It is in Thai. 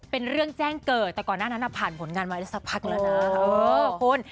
เป็นเรื่องแจ้งเกิดแต่ก่อนหน้านั้นผ่านผลงานมาได้สักพักแล้วนะคุณ